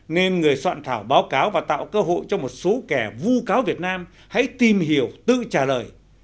nên người soạn thảo báo cáo và tạo cơ hội cho một số kẻ vu cáo việt nam hãy tìm hiểu tự trả lời